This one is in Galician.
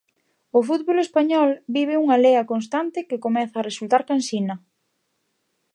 O fútbol español vive nunha lea constante que comeza a resultar cansina.